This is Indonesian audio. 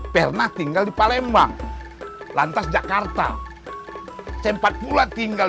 kurang ginteng arti